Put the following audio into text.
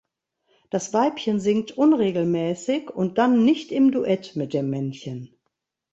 Das Weibchen singt unregelmäßig und dann nicht im Duett mit dem Männchen.